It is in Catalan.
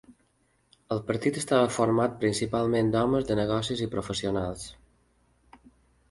El partit estava format principalment d'homes de negocis i professionals.